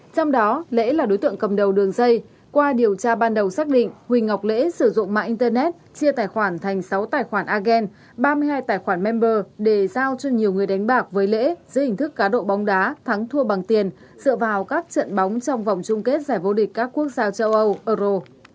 trong đó lễ là đối tượng cầm đầu đường dây qua điều tra ban đầu xác định huỳnh ngọc lễ sử dụng mạng internet chia tài khoản thành sáu tài khoản agen ba mươi hai tài khoản member để giao cho nhiều người đánh bạc với lễ dưới hình thức cá độ bóng đá thắng thua bằng tiền dựa vào các trận bóng trong vòng chung kết giải vô địch các quốc gia châu âu euro